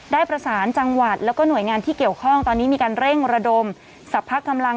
ได้ประสานจังหวัดแล้วก็หน่วยงานที่เกี่ยวข้องตอนนี้มีการเร่งระดมสรรพกำลัง